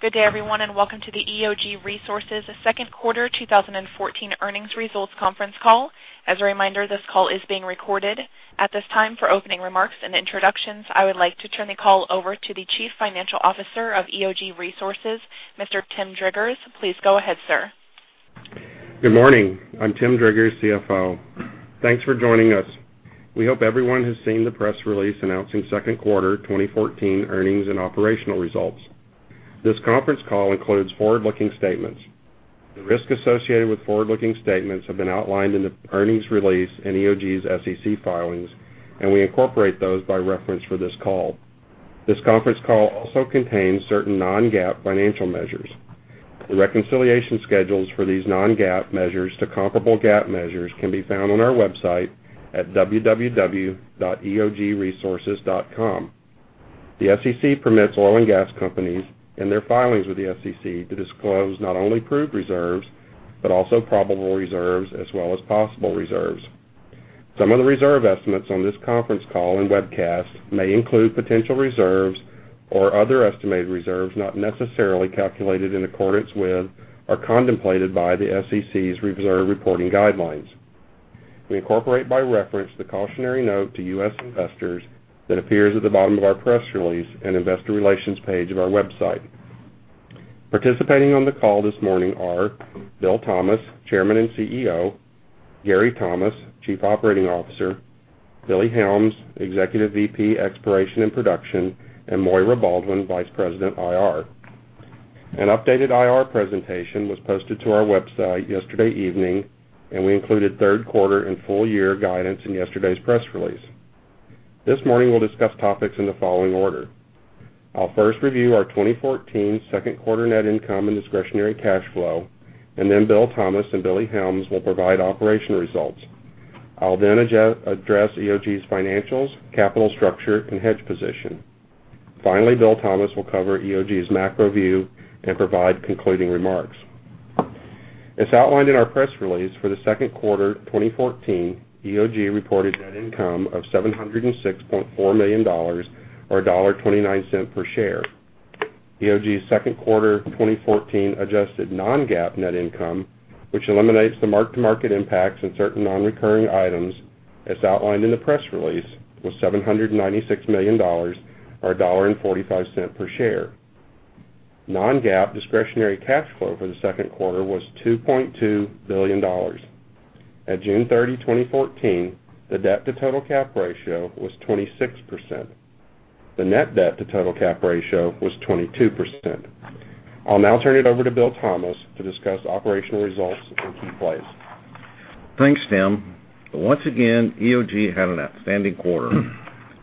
Good day everyone, welcome to the EOG Resources second quarter 2014 earnings results conference call. As a reminder, this call is being recorded. At this time, for opening remarks and introductions, I would like to turn the call over to the Chief Financial Officer of EOG Resources, Mr. Tim Driggers. Please go ahead, sir. Good morning. I'm Tim Driggers, CFO. Thanks for joining us. We hope everyone has seen the press release announcing second quarter 2014 earnings and operational results. This conference call includes forward-looking statements. The risk associated with forward-looking statements have been outlined in the earnings release in EOG's SEC filings, we incorporate those by reference for this call. This conference call also contains certain non-GAAP financial measures. The reconciliation schedules for these non-GAAP measures to comparable GAAP measures can be found on our website at www.eogresources.com. The SEC permits oil and gas companies in their filings with the SEC to disclose not only proved reserves, but also probable reserves as well as possible reserves. Some of the reserve estimates on this conference call and webcast may include potential reserves or other estimated reserves not necessarily calculated in accordance with or contemplated by the SEC's reserve reporting guidelines. We incorporate by reference the cautionary note to U.S. investors that appears at the bottom of our press release and investor relations page of our website. Participating on the call this morning are Bill Thomas, Chairman and CEO, Gary Thomas, Chief Operating Officer, Billy Helms, Executive Vice President Exploration and Production, and Moira Baldwin, Vice President, IR. An updated IR presentation was posted to our website yesterday evening, we included third quarter and full year guidance in yesterday's press release. This morning we'll discuss topics in the following order. I'll first review our 2014 second quarter net income and discretionary cash flow, then Bill Thomas and Billy Helms will provide operational results. I'll then address EOG's financials, capital structure, and hedge position. Finally, Bill Thomas will cover EOG's macro view and provide concluding remarks. As outlined in our press release for the second quarter 2014, EOG reported net income of $706.4 million, or $1.29 per share. EOG's second quarter 2014 adjusted non-GAAP net income, which eliminates the mark-to-market impacts and certain non-recurring items, as outlined in the press release, was $796 million, or $1.45 per share. Non-GAAP discretionary cash flow for the second quarter was $2.2 billion. At June 30, 2014, the debt to total cap ratio was 26%. The net debt to total cap ratio was 22%. I'll now turn it over to Bill Thomas to discuss operational results in key plays. Thanks, Tim. Once again, EOG had an outstanding quarter.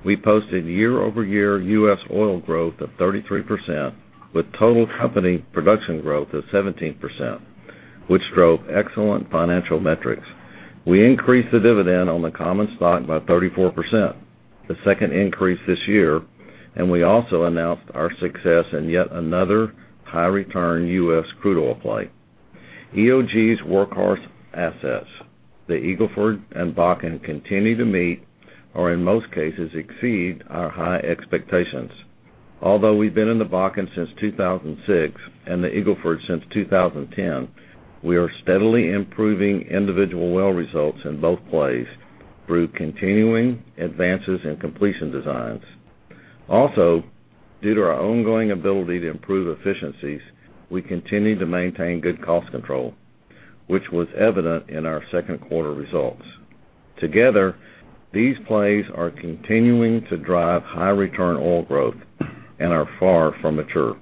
We posted year-over-year U.S. oil growth of 33% with total company production growth of 17%, which drove excellent financial metrics. We increased the dividend on the common stock by 34%, the second increase this year, and we also announced our success in yet another high return U.S. crude oil play. EOG's workhorse assets, the Eagle Ford and Bakken, continue to meet, or in most cases exceed, our high expectations. Although we've been in the Bakken since 2006 and the Eagle Ford since 2010, we are steadily improving individual well results in both plays through continuing advances in completion designs. Also, due to our ongoing ability to improve efficiencies, we continue to maintain good cost control, which was evident in our second quarter results. Together, these plays are continuing to drive high return oil growth and are far from mature.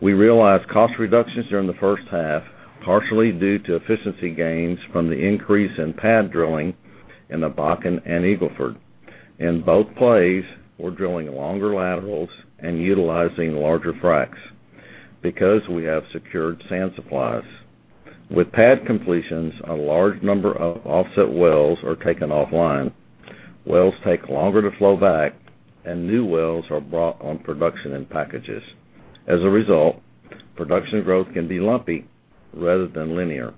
We realized cost reductions during the first half, partially due to efficiency gains from the increase in pad drilling in the Bakken and Eagle Ford. In both plays, we're drilling longer laterals and utilizing larger fracs because we have secured sand supplies. With pad completions, a large number of offset wells are taken offline. Wells take longer to flow back, and new wells are brought on production in packages. As a result, production growth can be lumpy rather than linear,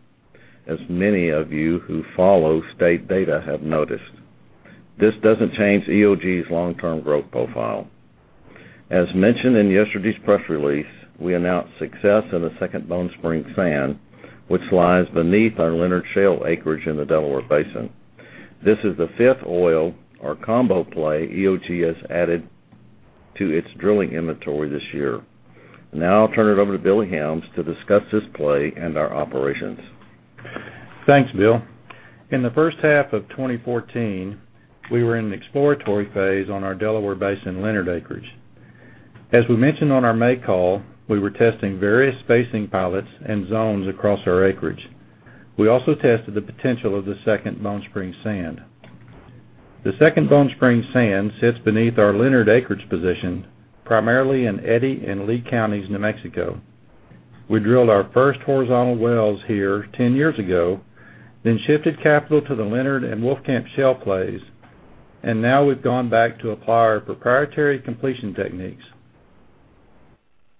as many of you who follow state data have noticed. This doesn't change EOG's long-term growth profile. As mentioned in yesterday's press release, we announced success in the Second Bone Spring sand, which lies beneath our Leonard Shale acreage in the Delaware Basin. This is the fifth oil or combo play EOG has added to its drilling inventory this year. I'll turn it over to Billy Helms to discuss this play and our operations. Thanks, Bill. In the first half of 2014, we were in an exploratory phase on our Delaware Basin Leonard acreage. As we mentioned on our May call, we were testing various spacing pilots and zones across our acreage. We also tested the potential of the Second Bone Spring sand. The Second Bone Spring sand sits beneath our Leonard acreage position, primarily in Eddy and Lea counties, New Mexico. We drilled our first horizontal wells here 10 years ago, then shifted capital to the Leonard and Wolfcamp Shale plays, and now we've gone back to apply our proprietary completion techniques.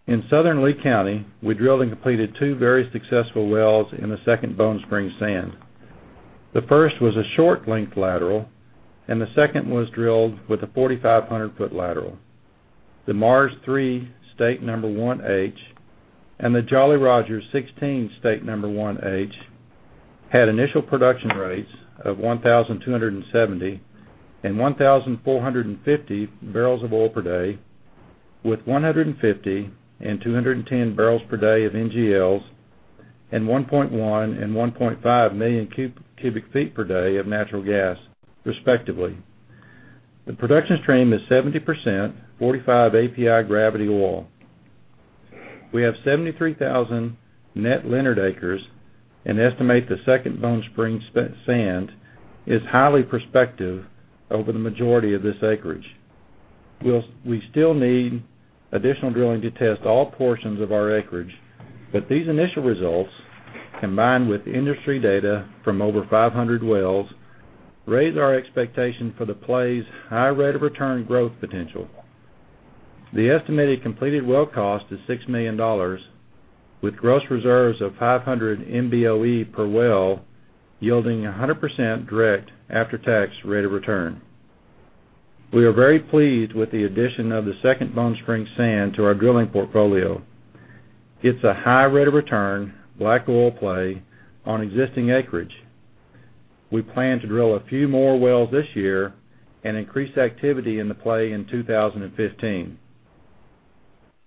In southern Lea County, we drilled and completed two very successful wells in the Second Bone Spring sand. The first was a short length lateral, and the second was drilled with a 4,500-foot lateral. The Mars 3 State Number 1H and the Jolly Roger 16 State Number 1H had initial production rates of 1,270 and 1,450 barrels of oil per day, with 150 and 210 barrels per day of NGLs, and 1.1 and 1.5 million cubic feet per day of natural gas, respectively. The production stream is 70% 45 API gravity oil. We have 73,000 net Leonard acres and estimate the Second Bone Spring Sand is highly prospective over the majority of this acreage. We still need additional drilling to test all portions of our acreage, but these initial results, combined with industry data from over 500 wells, raise our expectation for the play's high rate of return growth potential. The estimated completed well cost is $6 million, with gross reserves of 500 MB OE per well, yielding 100% direct after-tax rate of return. We are very pleased with the addition of the Second Bone Spring Sand to our drilling portfolio. It's a high rate of return black oil play on existing acreage. We plan to drill a few more wells this year and increase activity in the play in 2015.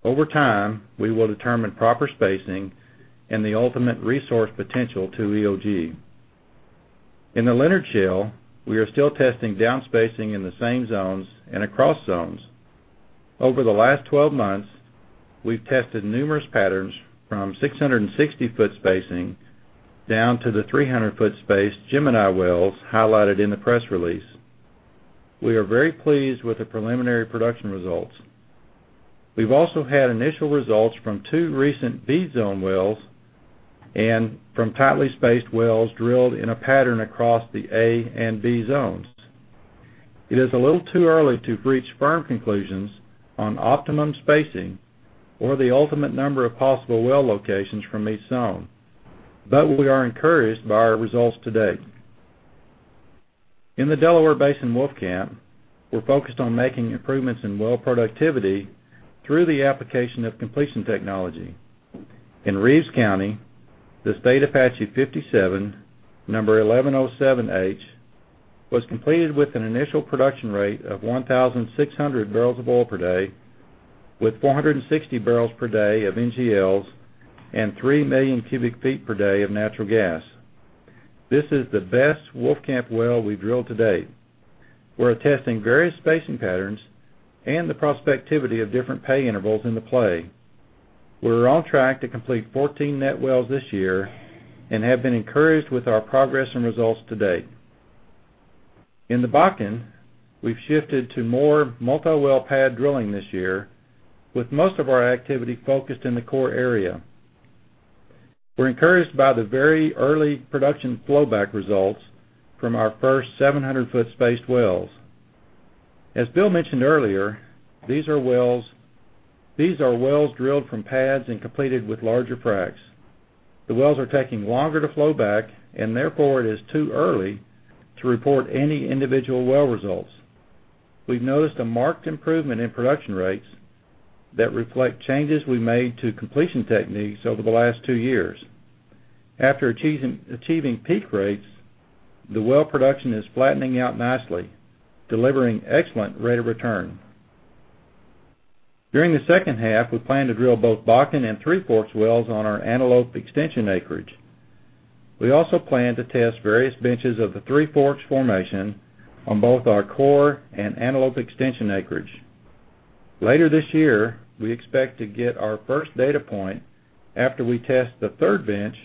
Over time, we will determine proper spacing and the ultimate resource potential to EOG. In the Leonard Shale, we are still testing down-spacing in the same zones and across zones. Over the last 12 months, we've tested numerous patterns from 660-foot spacing down to the 300-foot space Gemini wells highlighted in the press release. We are very pleased with the preliminary production results. We've also had initial results from 2 recent B zone wells and from tightly spaced wells drilled in a pattern across the A and B zones. It is a little too early to reach firm conclusions on optimum spacing or the ultimate number of possible well locations from each zone, but we are encouraged by our results to date. In the Delaware Basin Wolfcamp, we're focused on making improvements in well productivity through the application of completion technology. In Reeves County, the State Apache 57 Number 1107H was completed with an initial production rate of 1,600 barrels of oil per day, with 460 barrels per day of NGLs and three million cubic feet per day of natural gas. This is the best Wolfcamp well we've drilled to date. We're testing various spacing patterns and the prospectivity of different pay intervals in the play. We're on track to complete 14 net wells this year and have been encouraged with our progress and results to date. In the Bakken, we've shifted to more multi-well pad drilling this year, with most of our activity focused in the core area. We're encouraged by the very early production flow back results from our first 700-foot spaced wells. As Bill mentioned earlier, these are wells drilled from pads and completed with larger fracs. The wells are taking longer to flow back, therefore, it is too early to report any individual well results. We've noticed a marked improvement in production rates that reflect changes we made to completion techniques over the last two years. After achieving peak rates, the well production is flattening out nicely, delivering excellent rate of return. During the second half, we plan to drill both Bakken and Three Forks wells on our Antelope extension acreage. We also plan to test various benches of the Three Forks formation on both our core and Antelope extension acreage. Later this year, we expect to get our first data point after we test the third bench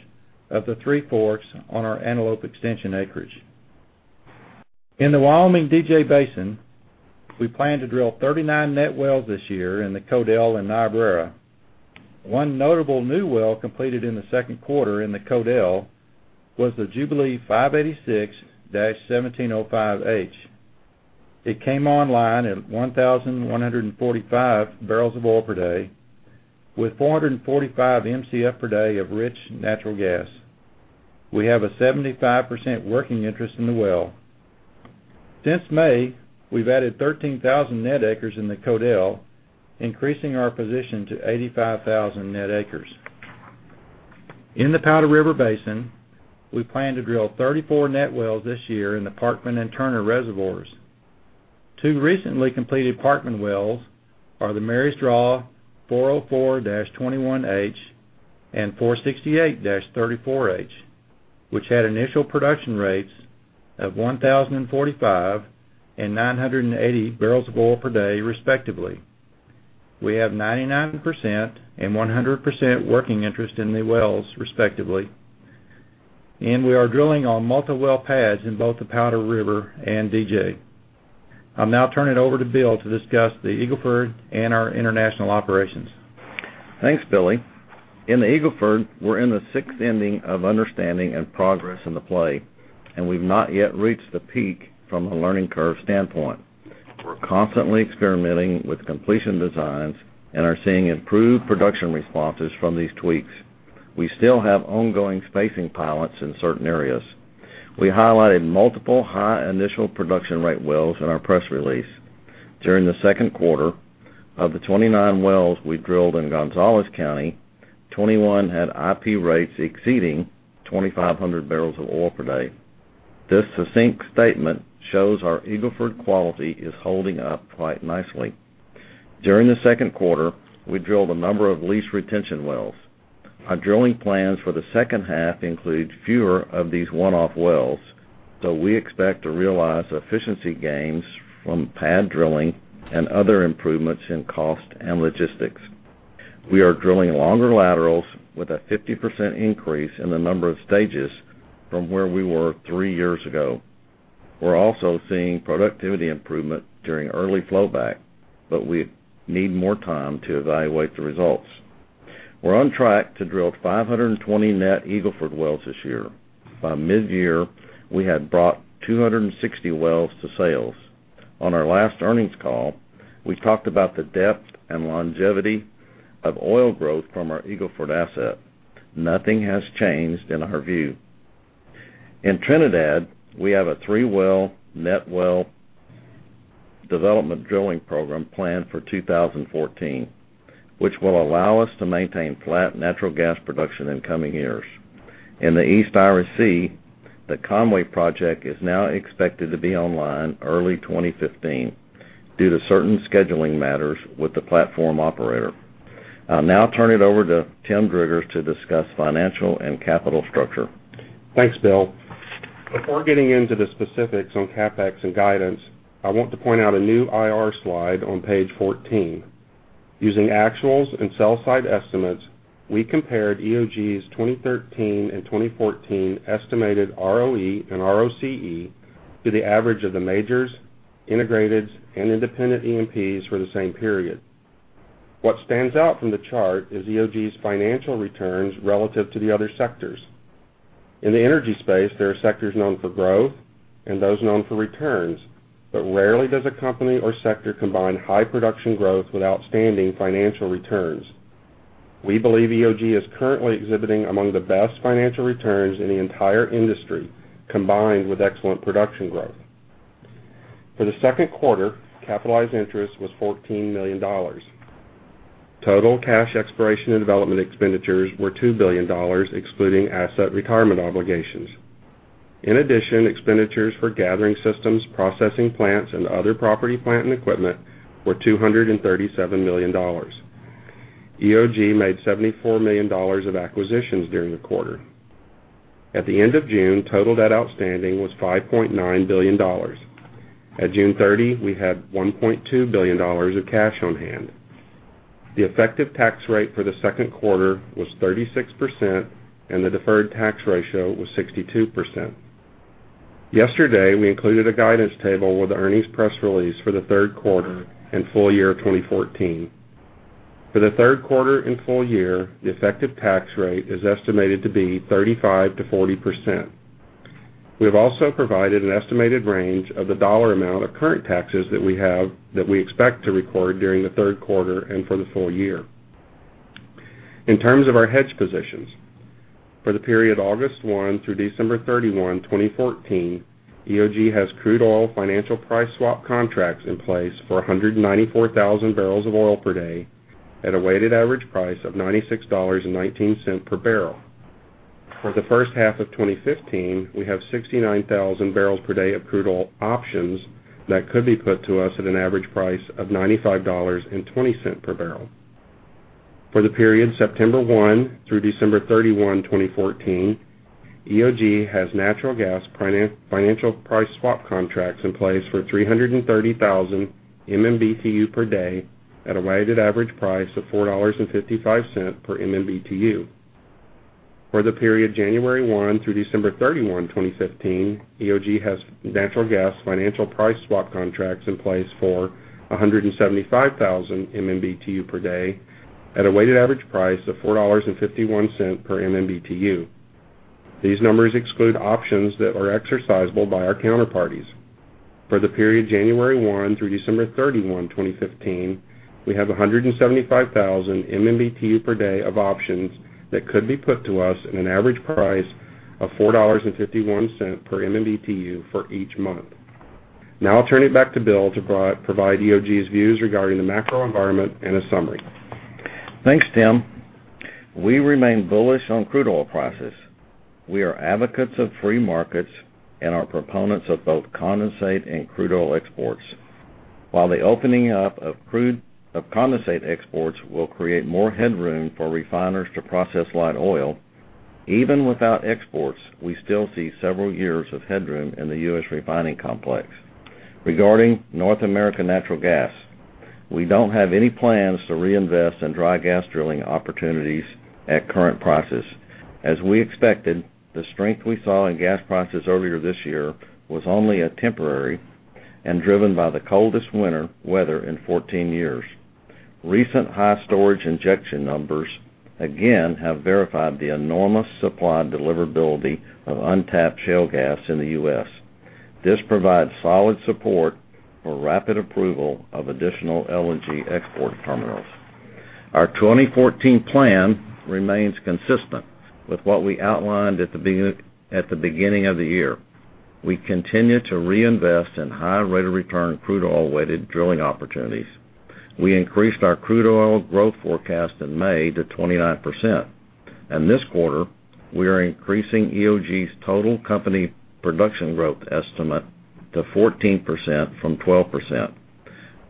of the Three Forks on our Antelope extension acreage. In the Wyoming DJ Basin, we plan to drill 39 net wells this year in the Codell and Niobrara. One notable new well completed in the second quarter in the Codell was the Jubilee 586-1705H. It came online at 1,145 barrels of oil per day with 445 MCF per day of rich natural gas. We have a 75% working interest in the well. Since May, we've added 13,000 net acres in the Codell, increasing our position to 85,000 net acres. In the Powder River Basin, we plan to drill 34 net wells this year in the Parkman and Turner reservoirs. Two recently completed Parkman wells are the Mary's Draw 404-21H and 468-34H, which had initial production rates of 1,045 and 980 barrels of oil per day, respectively. We have 99% and 100% working interest in the wells, respectively, and we are drilling on multi-well pads in both the Powder River and DJ. I'll now turn it over to Bill to discuss the Eagle Ford and our international operations. Thanks, Billy. In the Eagle Ford, we're in the sixth inning of understanding and progress in the play, and we've not yet reached the peak from a learning curve standpoint. We're constantly experimenting with completion designs and are seeing improved production responses from these tweaks. We still have ongoing spacing pilots in certain areas. We highlighted multiple high initial production rate wells in our press release. During the second quarter, of the 29 wells we drilled in Gonzales County, 21 had IP rates exceeding 2,500 barrels of oil per day. This succinct statement shows our Eagle Ford quality is holding up quite nicely. During the second quarter, we drilled a number of lease retention wells. Our drilling plans for the second half include fewer of these one-off wells, we expect to realize efficiency gains from pad drilling and other improvements in cost and logistics. We are drilling longer laterals with a 50% increase in the number of stages from where we were three years ago. We're also seeing productivity improvement during early flow back, we need more time to evaluate the results. We're on track to drill 520 net Eagle Ford wells this year. By mid-year, we had brought 260 wells to sales. On our last earnings call, we talked about the depth and longevity of oil growth from our Eagle Ford asset. Nothing has changed in our view. In Trinidad, we have a three-well, net well development drilling program planned for 2014, which will allow us to maintain flat natural gas production in coming years. In the East Irish Sea, the Conway project is now expected to be online early 2015 due to certain scheduling matters with the platform operator. I'll now turn it over to Tim Driggers to discuss financial and capital structure. Thanks, Bill. Before getting into the specifics on CapEx and guidance, I want to point out a new IR slide on page 14. Using actuals and sell side estimates, we compared EOG's 2013 and 2014 estimated ROE and ROCE to the average of the majors, integrateds, and independent E&Ps for the same period. What stands out from the chart is EOG's financial returns relative to the other sectors. In the energy space, there are sectors known for growth and those known for returns, but rarely does a company or sector combine high production growth with outstanding financial returns. We believe EOG is currently exhibiting among the best financial returns in the entire industry, combined with excellent production growth. For the second quarter, capitalized interest was $14 million. Total cash exploration and development expenditures were $2 billion, excluding asset retirement obligations. In addition, expenditures for gathering systems, processing plants, and other property, plant, and equipment were $237 million. EOG made $74 million of acquisitions during the quarter. At the end of June, total debt outstanding was $5.9 billion. At June 30, we had $1.2 billion of cash on hand. The effective tax rate for the second quarter was 36%, and the deferred tax ratio was 62%. Yesterday, we included a guidance table with the earnings press release for the third quarter and full year 2014. For the third quarter and full year, the effective tax rate is estimated to be 35%-40%. We have also provided an estimated range of the dollar amount of current taxes that we expect to record during the third quarter and for the full year. In terms of our hedge positions, for the period August 1 through December 31, 2014, EOG has crude oil financial price swap contracts in place for 194,000 barrels of oil per day at a weighted average price of $96.19 per barrel. For the first half of 2015, we have 69,000 barrels per day of crude oil options that could be put to us at an average price of $95.20 per barrel. For the period September 1 through December 31, 2014, EOG has natural gas financial price swap contracts in place for 330,000 MMBtu per day at a weighted average price of $4.55 per MMBtu. For the period January 1 through December 31, 2015, EOG has natural gas financial price swap contracts in place for 175,000 MMBtu per day at a weighted average price of $4.51 per MMBtu. These numbers exclude options that are exercisable by our counterparties. For the period January 1 through December 31, 2015, we have 175,000 MMBtu per day of options that could be put to us at an average price of $4.51 per MMBtu for each month. I'll turn it back to Bill to provide EOG's views regarding the macro environment and a summary. Thanks, Tim. We remain bullish on crude oil prices. We are advocates of free markets and are proponents of both condensate and crude oil exports. While the opening up of condensate exports will create more headroom for refiners to process light oil, even without exports, we still see several years of headroom in the U.S. refining complex. Regarding North American natural gas, we don't have any plans to reinvest in dry gas drilling opportunities at current prices. As we expected, the strength we saw in gas prices earlier this year was only temporary and driven by the coldest winter weather in 14 years. Recent high storage injection numbers, again, have verified the enormous supply deliverability of untapped shale gas in the U.S. This provides solid support for rapid approval of additional LNG export terminals. Our 2014 plan remains consistent with what we outlined at the beginning of the year. We continue to reinvest in high rate of return crude oil-weighted drilling opportunities. We increased our crude oil growth forecast in May to 29%. This quarter, we are increasing EOG's total company production growth estimate to 14% from 12%,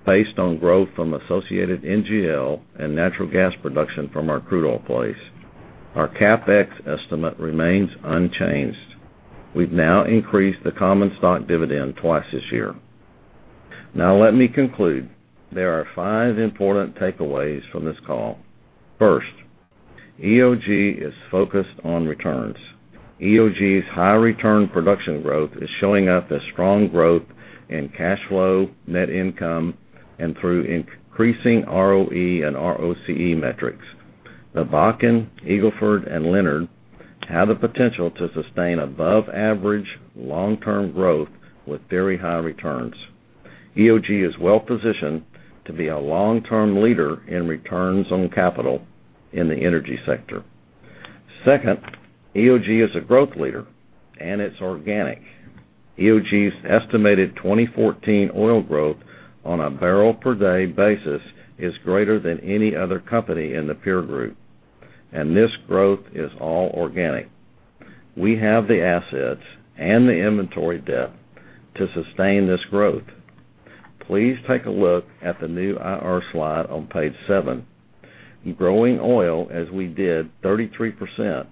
based on growth from associated NGL and natural gas production from our crude oil plays. Our CapEx estimate remains unchanged. We've now increased the common stock dividend twice this year. Let me conclude. There are five important takeaways from this call. First, EOG is focused on returns. EOG's high return production growth is showing up as strong growth in cash flow, net income, and through increasing ROE and ROCE metrics. The Bakken, Eagle Ford, and Leonard have the potential to sustain above average long-term growth with very high returns. EOG is well-positioned to be a long-term leader in returns on capital in the energy sector. Second, EOG is a growth leader, it's organic. EOG's estimated 2014 oil growth on a barrel per day basis is greater than any other company in the peer group, this growth is all organic. We have the assets and the inventory depth to sustain this growth. Please take a look at the new IR slide on page seven. Growing oil, as we did 33%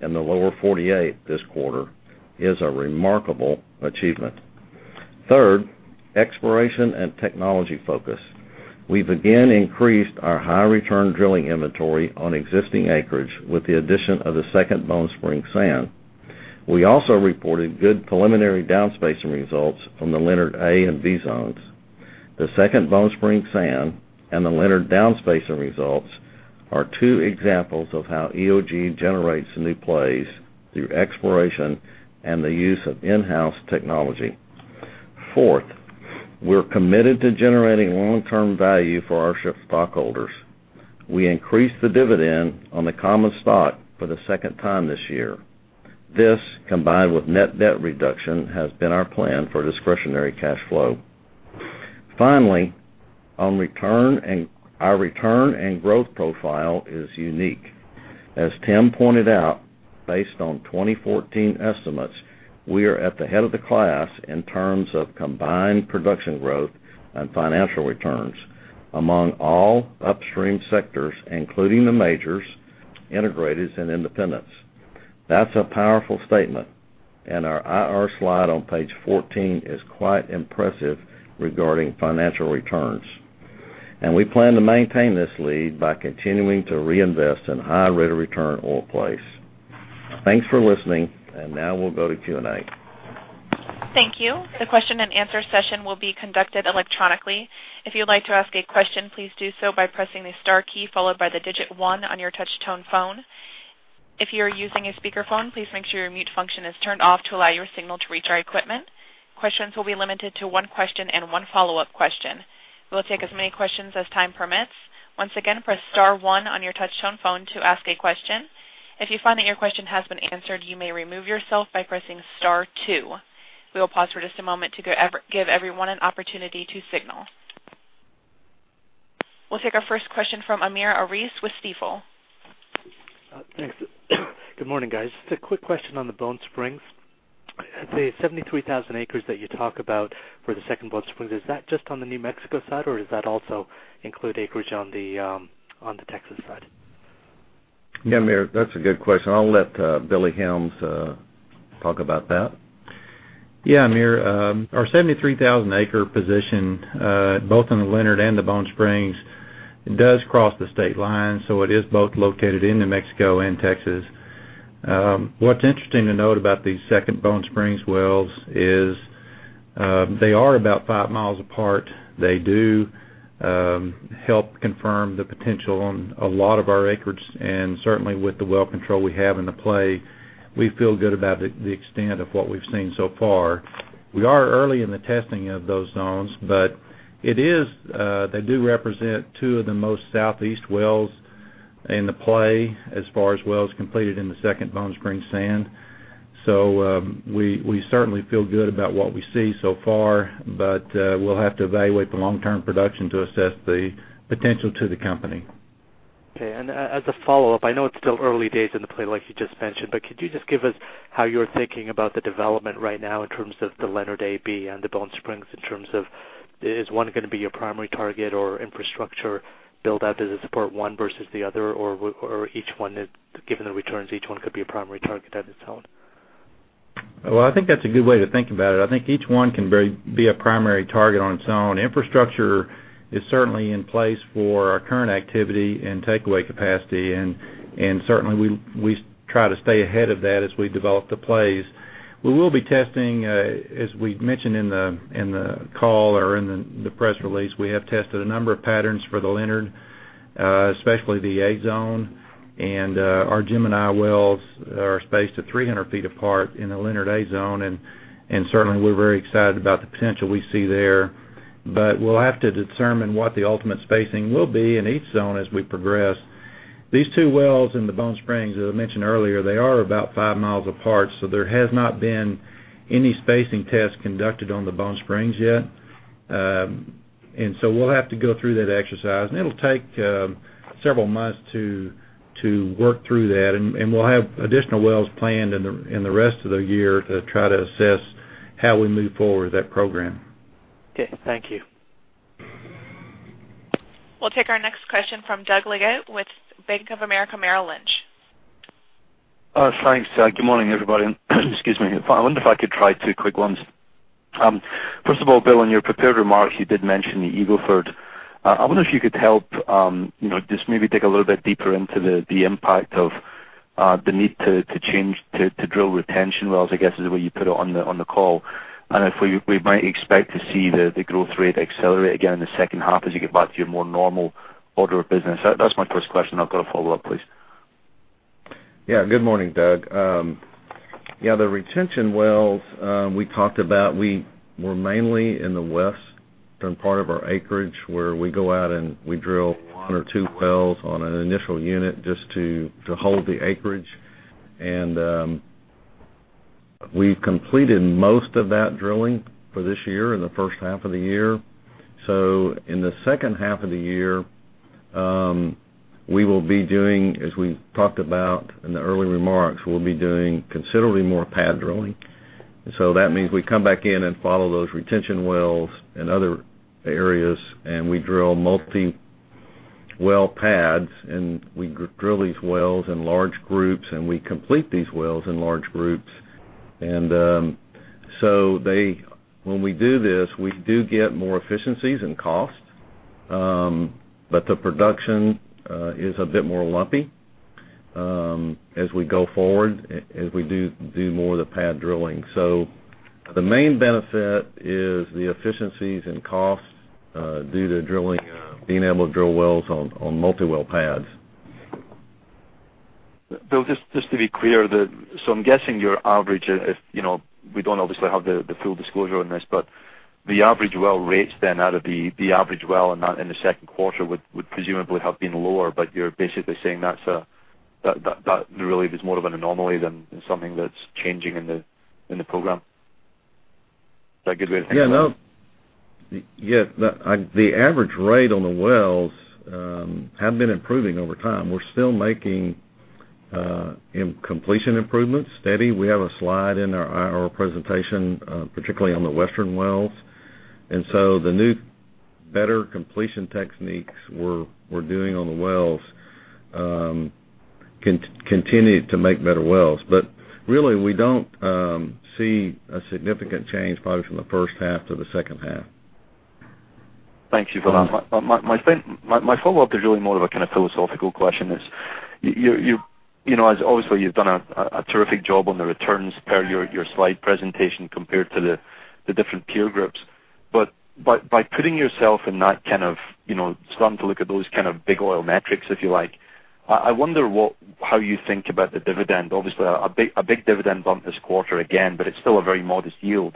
in the lower 48 this quarter, is a remarkable achievement. Third, exploration and technology focus. We've again increased our high return drilling inventory on existing acreage with the addition of the second Bone Spring sand. We also reported good preliminary down spacing results from the Leonard A and B zones. The second Bone Spring sand and the Leonard down spacing results are two examples of how EOG generates new plays through exploration and the use of in-house technology. Fourth, we're committed to generating long-term value for our shareholders. We increased the dividend on the common stock for the second time this year. This, combined with net debt reduction, has been our plan for discretionary cash flow. Finally, our return and growth profile is unique. As Tim pointed out, based on 2014 estimates, we are at the head of the class in terms of combined production growth and financial returns among all upstream sectors, including the majors, integrators, and independents. That's a powerful statement, and our IR slide on page 14 is quite impressive regarding financial returns. We plan to maintain this lead by continuing to reinvest in high rate of return oil plays. Thanks for listening, and now we'll go to Q&A. Thank you. The question and answer session will be conducted electronically. If you'd like to ask a question, please do so by pressing the star key, followed by the digit one on your touchtone phone. If you're using a speakerphone, please make sure your mute function is turned off to allow your signal to reach our equipment. Questions will be limited to one question and one follow-up question. We'll take as many questions as time permits. Once again, press star one on your touchtone phone to ask a question. If you find that your question has been answered, you may remove yourself by pressing star two. We will pause for just a moment to give everyone an opportunity to signal. We'll take our first question from Amir Arif with Stifel. Thanks. Good morning, guys. Just a quick question on the Bone Springs. The 73,000 acres that you talk about for the second Bone Springs, is that just on the New Mexico side, or does that also include acreage on the Texas side? Yeah, Amir, that's a good question. I'll let Billy Helms talk about that. Yeah, Amir, our 73,000-acre position, both in the Leonard and the Bone Springs, does cross the state line, so it is both located in New Mexico and Texas. What's interesting to note about these second Bone Springs wells is they are about five miles apart. They do help confirm the potential on a lot of our acreage, and certainly with the well control we have in the play, we feel good about the extent of what we've seen so far. We are early in the testing of those zones, but they do represent two of the most southeast wells in the play as far as wells completed in the second Bone Spring sand. We certainly feel good about what we see so far, but we'll have to evaluate the long-term production to assess the potential to the company. Okay, as a follow-up, I know it's still early days in the play, like you just mentioned, but could you just give us how you're thinking about the development right now in terms of the Leonard A, B, and the Bone Springs, in terms of is one going to be your primary target or infrastructure build out? Does it support one versus the other? Given the returns, each one could be a primary target on its own? Well, I think that's a good way to think about it. I think each one can be a primary target on its own. Infrastructure is certainly in place for our current activity and takeaway capacity, and certainly we try to stay ahead of that as we develop the plays. We will be testing, as we mentioned in the call or in the press release, we have tested a number of patterns for the Leonard, especially the A zone Our Gemini wells are spaced at 300 feet apart in the Leonard A zone, certainly, we're very excited about the potential we see there. We'll have to determine what the ultimate spacing will be in each zone as we progress. These two wells in the Bone Springs, as I mentioned earlier, they are about five miles apart, so there has not been any spacing tests conducted on the Bone Springs yet. We'll have to go through that exercise, and it'll take several months to work through that. We'll have additional wells planned in the rest of the year to try to assess how we move forward with that program. Okay. Thank you. We'll take our next question from Doug Leggate with Bank of America Merrill Lynch. Thanks. Good morning, everybody. Excuse me. I wonder if I could try two quick ones. First of all, Bill, in your prepared remarks, you did mention the Eagle Ford. I wonder if you could help, just maybe dig a little bit deeper into the impact of the need to drill retention wells, I guess, is the way you put it on the call. If we might expect to see the growth rate accelerate again in the second half as you get back to your more normal order of business. That's my first question. I've got a follow-up, please. Good morning, Doug. The retention wells, we talked about, we were mainly in the western part of our acreage, where we go out, and we drill one or two wells on an initial unit just to hold the acreage. We've completed most of that drilling for this year in the first half of the year. In the second half of the year, we will be doing, as we talked about in the early remarks, we'll be doing considerably more pad drilling. That means we come back in and follow those retention wells in other areas, and we drill multi-well pads, and we drill these wells in large groups, and we complete these wells in large groups. When we do this, we do get more efficiencies in costs, the production is a bit more lumpy as we go forward, as we do more of the pad drilling. The main benefit is the efficiencies in costs due to being able to drill wells on multi-well pads. Bill, just to be clear, so I'm guessing your average, we don't obviously have the full disclosure on this, but the average well rates then out of the average well in the second quarter would presumably have been lower, but you're basically saying that really is more of an anomaly than something that's changing in the program. Is that a good way to think about it? Yeah. The average rate on the wells have been improving over time. We're still making completion improvements steady. We have a slide in our presentation, particularly on the western wells. The new, better completion techniques we're doing on the wells continue to make better wells. Really, we don't see a significant change probably from the first half to the second half. Thank you for that. My follow-up is really more of a philosophical question. Obviously, you've done a terrific job on the returns per your slide presentation compared to the different peer groups. By putting yourself in that, starting to look at those big oil metrics, if you like, I wonder how you think about the dividend. Obviously, a big dividend bump this quarter again, but it's still a very modest yield.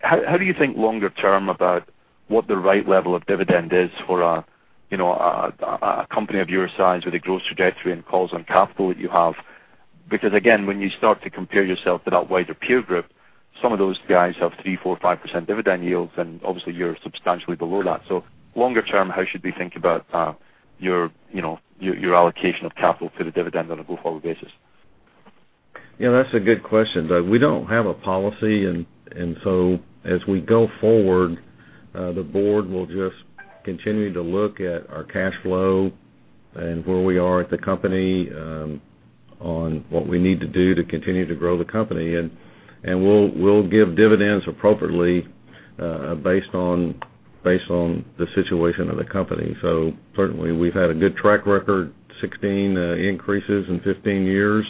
How do you think longer term about what the right level of dividend is for a company of your size with the growth trajectory and calls on capital that you have? Again, when you start to compare yourself to that wider peer group, some of those guys have 3%, 4%, 5% dividend yields, and obviously, you're substantially below that. longer term, how should we think about your allocation of capital to the dividend on a go-forward basis? That's a good question, Doug. We don't have a policy, as we go forward, the board will just continue to look at our cash flow and where we are at the company on what we need to do to continue to grow the company. We'll give dividends appropriately based on the situation of the company. Certainly, we've had a good track record, 16 increases in 15 years,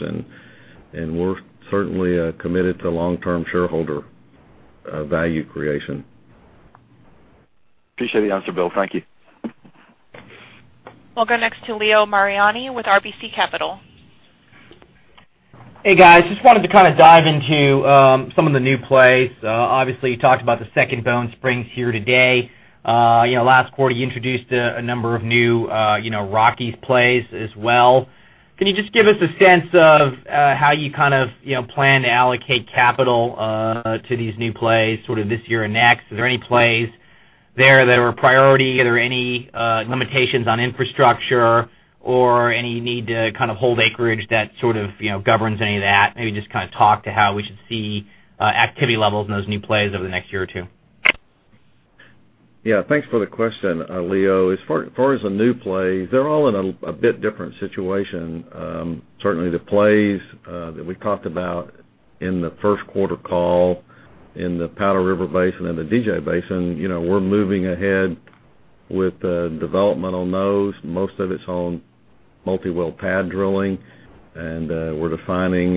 and we're certainly committed to long-term shareholder value creation. Appreciate the answer, Bill. Thank you. We'll go next to Leo Mariani with RBC Capital. Hey, guys. Just wanted to dive into some of the new plays. Obviously, you talked about the second Bone Springs here today. Last quarter, you introduced a number of new Rockies plays as well. Can you just give us a sense of how you plan to allocate capital to these new plays this year and next? Is there any plays there that are a priority? Are there any limitations on infrastructure or any need to hold acreage that governs any of that? Maybe just talk to how we should see activity levels in those new plays over the next year or two. Yeah. Thanks for the question, Leo. As far as the new plays, they're all in a bit different situation. Certainly, the plays that we talked about in the first quarter call in the Powder River Basin and the DJ Basin, we're moving ahead with the development on those. Most of it's on multi-well pad drilling, and we're defining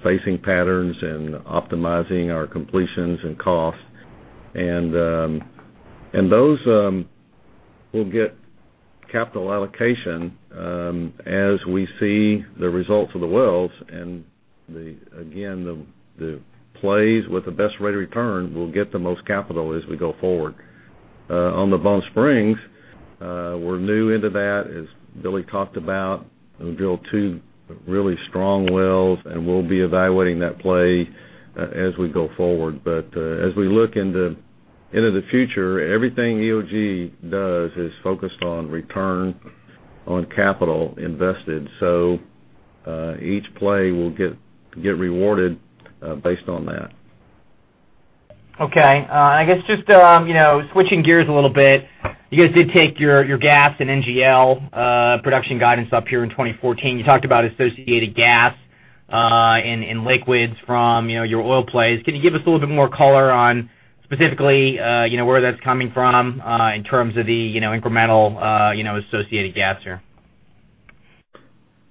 spacing patterns and optimizing our completions and costs. Those will get capital allocation as we see the results of the wells. Again, the plays with the best rate of return will get the most capital as we go forward. On the Bone Springs, we're new into that, as Billy talked about. We drilled two really strong wells, and we'll be evaluating that play as we go forward. As we look into the future, everything EOG does is focused on return on capital invested. Each play will get rewarded based on that. Okay. I guess just switching gears a little bit, you guys did take your gas and NGL production guidance up here in 2014. You talked about associated gas and liquids from your oil plays. Can you give us a little bit more color on specifically where that's coming from in terms of the incremental associated gas here?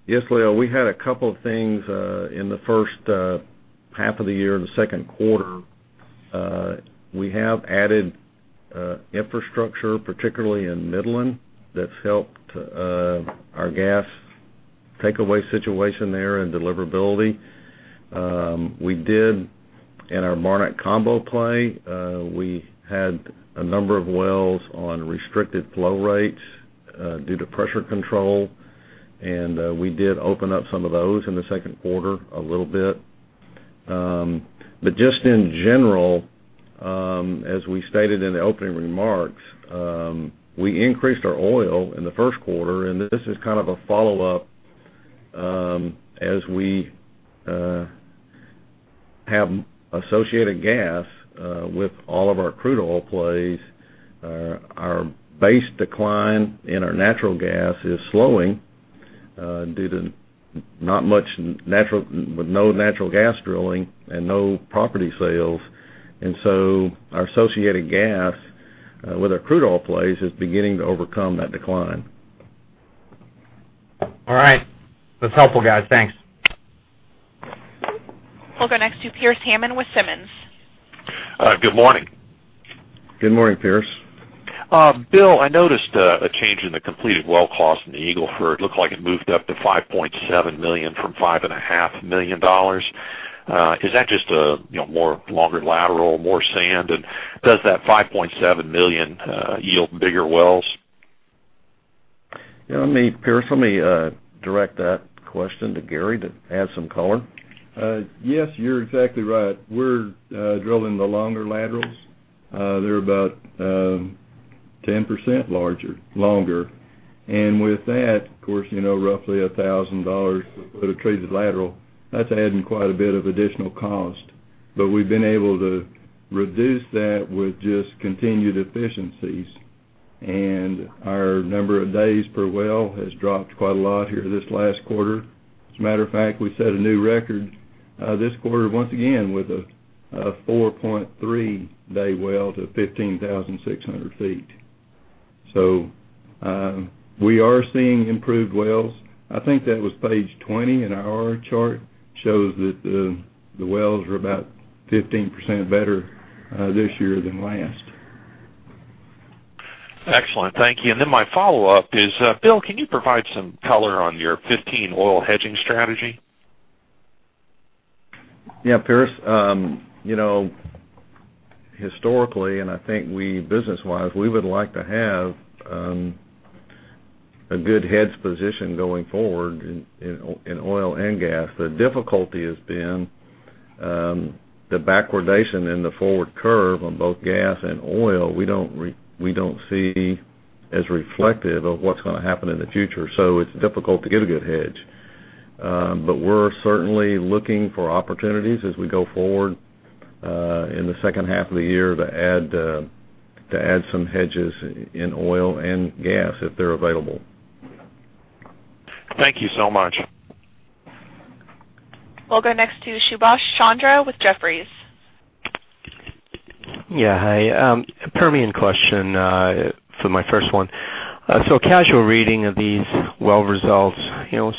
Yes, Leo, we had a couple of things in the first half of the year, in the second quarter. We have added infrastructure, particularly in Midland, that's helped our gas takeaway situation there and deliverability. We did, in our Barnett combo play, we had a number of wells on restricted flow rates due to pressure control, and we did open up some of those in the second quarter a little bit. Just in general, as we stated in the opening remarks, we increased our oil in the first quarter, and this is kind of a follow-up as we have associated gas with all of our crude oil plays. Our base decline in our natural gas is slowing with no natural gas drilling and no property sales. So our associated gas with our crude oil plays is beginning to overcome that decline. All right. That's helpful, guys. Thanks. We'll go next to Pearce Hammond with Simmons. Good morning. Good morning, Pearce. Bill, I noticed a change in the completed well cost in the Eagle Ford. It looked like it moved up to $5.7 million from $5.5 million. Is that just a more longer lateral, more sand? Does that $5.7 million yield bigger wells? Pearce, let me direct that question to Gary to add some color. Yes, you're exactly right. We're drilling the longer laterals. They're about 10% longer. With that, of course, roughly $1,000 for the treated lateral. That's adding quite a bit of additional cost. We've been able to reduce that with just continued efficiencies, and our number of days per well has dropped quite a lot here this last quarter. As a matter of fact, we set a new record this quarter, once again, with a 4.3-day well to 15,600 feet. We are seeing improved wells. I think that was page 20 in our chart, shows that the wells were about 15% better this year than last. Excellent. Thank you. My follow-up is, Bill, can you provide some color on your 2015 oil hedging strategy? Yeah, Pearce. Historically, and I think business-wise, we would like to have a good hedge position going forward in oil and gas. The difficulty has been the backwardation in the forward curve on both gas and oil, we don't see as reflective of what's going to happen in the future. It's difficult to get a good hedge. We're certainly looking for opportunities as we go forward in the second half of the year to add some hedges in oil and gas if they're available. Thank you so much. We'll go next to Subash Chandra with Jefferies. Yeah, hi. Permian question for my first one. A casual reading of these well results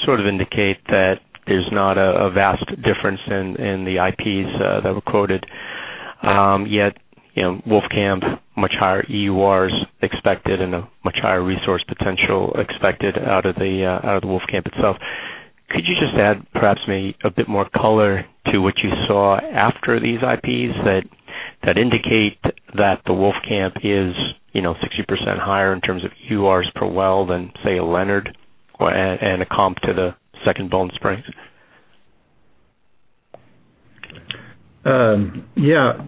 sort of indicate that there's not a vast difference in the IPs that were quoted. Yet Wolfcamp, much higher EURs expected and a much higher resource potential expected out of the Wolfcamp itself. Could you just add perhaps a bit more color to what you saw after these IPs that indicate that the Wolfcamp is 60% higher in terms of EURs per well than, say, a Leonard and a comp to the second Bone Springs? Yeah.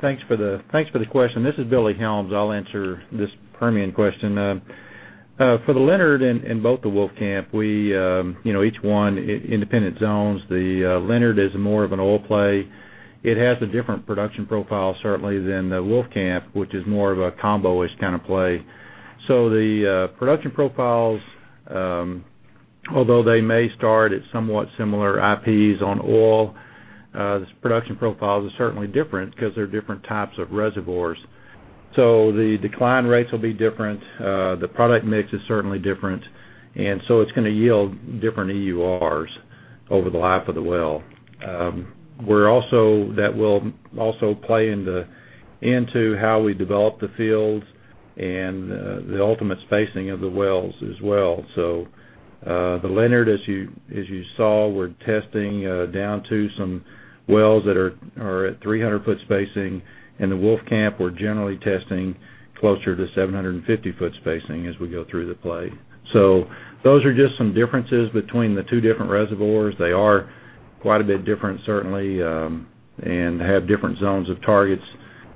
Thanks for the question. This is Billy Helms. I'll answer this Permian question. For the Leonard and both the Wolfcamp, each one, independent zones, the Leonard is more of an oil play. It has a different production profile, certainly, than the Wolfcamp, which is more of a combo kind of play. The production profiles, although they may start at somewhat similar IPs on oil, the production profiles are certainly different because they're different types of reservoirs. The decline rates will be different, the product mix is certainly different, and so it's going to yield different EURs Over the life of the well. That will also play into how we develop the fields and the ultimate spacing of the wells as well. The Leonard, as you saw, we're testing down to some wells that are at 300-foot spacing. In the Wolfcamp, we're generally testing closer to 750-foot spacing as we go through the play. Those are just some differences between the two different reservoirs. They are quite a bit different, certainly, and have different zones of targets.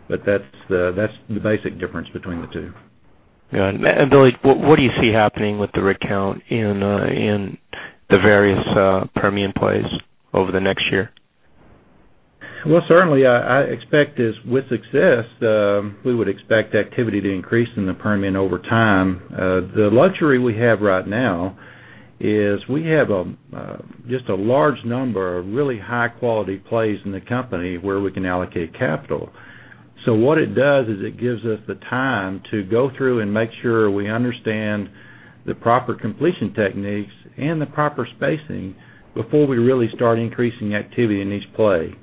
That's the basic difference between the two. Yeah. Billy, what do you see happening with the rig count in the various Permian plays over the next year? Well, certainly, I expect is with success, we would expect activity to increase in the Permian over time. The luxury we have right now is we have just a large number of really high-quality plays in the company where we can allocate capital. What it does is it gives us the time to go through and make sure we understand the proper completion techniques and the proper spacing before we really start increasing activity in each play.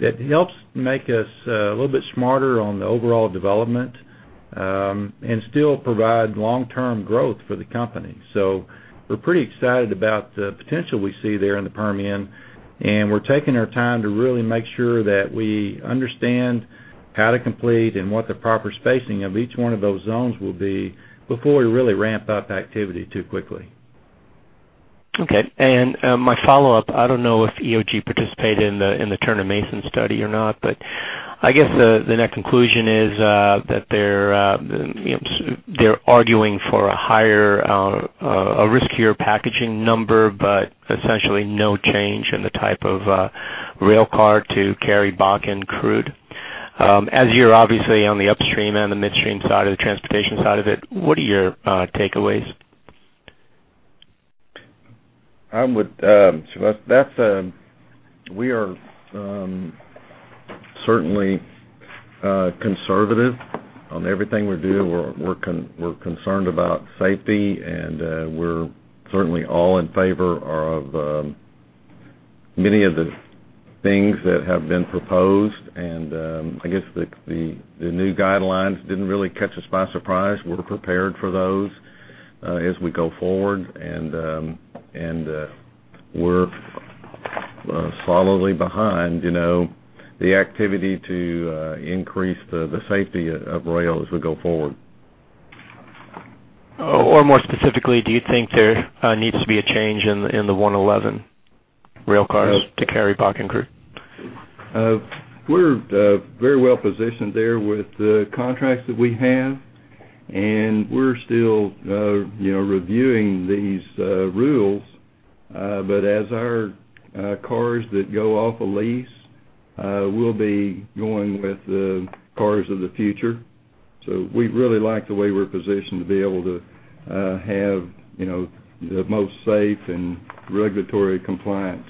That helps make us a little bit smarter on the overall development, and still provide long-term growth for the company. We're pretty excited about the potential we see there in the Permian, and we're taking our time to really make sure that we understand how to complete and what the proper spacing of each one of those zones will be before we really ramp up activity too quickly. Okay. My follow-up, I don't know if EOG participated in the Turner, Mason study or not, but I guess the net conclusion is that they're arguing for a riskier packaging number, but essentially no change in the type of rail car to carry Bakken crude. As you're obviously on the upstream and the midstream side of the transportation side of it, what are your takeaways? We are certainly conservative on everything we do. We're concerned about safety, and we're certainly all in favor of many of the things that have been proposed. I guess the new guidelines didn't really catch us by surprise. We're prepared for those as we go forward. We're solidly behind the activity to increase the safety of rail as we go forward. More specifically, do you think there needs to be a change in the DOT-111 rail cars to carry Bakken crude? We're very well positioned there with the contracts that we have. We're still reviewing these rules. As our cars that go off a lease will be going with the cars of the future. We really like the way we're positioned to be able to have the most safe and regulatory compliant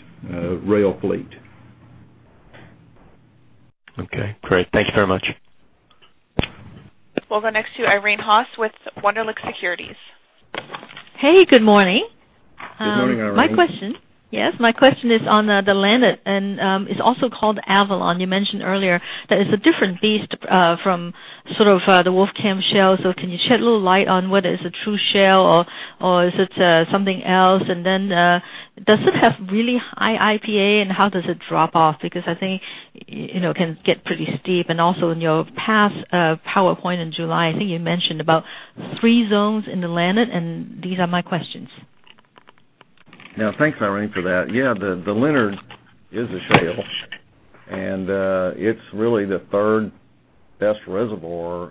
rail fleet. Okay, great. Thank you very much. We'll go next to Irene Haas with Wunderlich Securities. Hey, good morning. Good morning, Irene. Yes, my question is on the Leonard, and it is also called Avalon. Can you shed a little light on whether it is a true shale or is it something else? Does it have really high IP and how does it drop off? Because I think it can get pretty steep. Also in your past PowerPoint in July, I think you mentioned about three zones in the Leonard, and these are my questions. Thanks, Irene, for that. The Leonard is a shale, and it is really the third best reservoir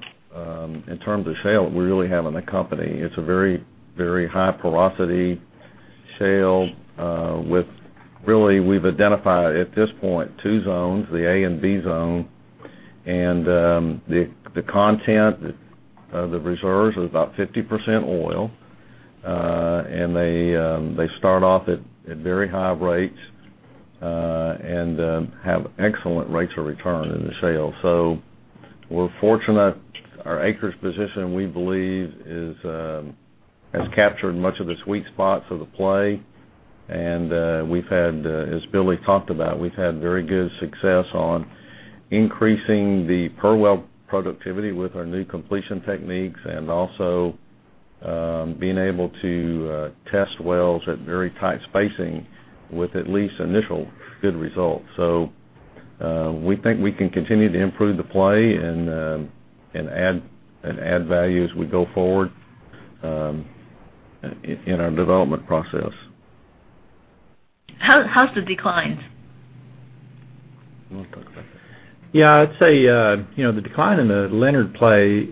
in terms of shale that we really have in the company. It is a very high porosity shale with really we have identified, at this point, two zones, the A and B zone, and the content of the reserves is about 50% oil. They start off at very high rates and have excellent rates of return in the shale. We are fortunate. Our acres position, we believe, has captured much of the sweet spots of the play. As Billy talked about, we have had very good success on increasing the per well productivity with our new completion techniques and also being able to test wells at very tight spacing with at least initial good results. We think we can continue to improve the play and add value as we go forward in our development process. How's the declines? You want to talk about that? Yeah. The decline in the Leonard play,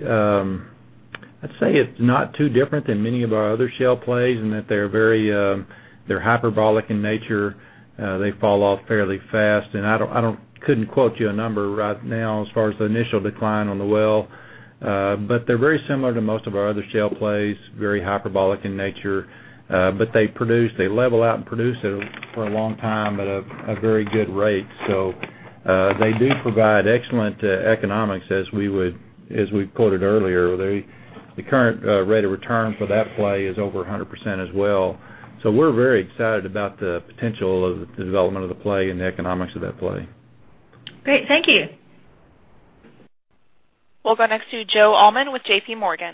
I'd say it's not too different than many of our other shale plays in that they're hyperbolic in nature. They fall off fairly fast. I couldn't quote you a number right now as far as the initial decline on the well. They're very similar to most of our other shale plays, very hyperbolic in nature. They level out and produce for a long time at a very good rate. They do provide excellent economics, as we quoted earlier. The current rate of return for that play is over 100% as well. We're very excited about the potential of the development of the play and the economics of that play. Great. Thank you. We'll go next to Joe Allman with JPMorgan.